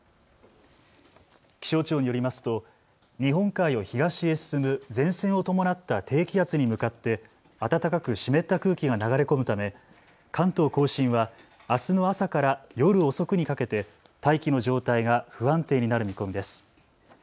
気象庁によりますと日本海を東へ進む前線を伴った低気圧に向かって暖かく湿った空気が流れ込むため関東甲信はあすの朝から夜遅くにかけて大気の状態が不安定になる見込みです。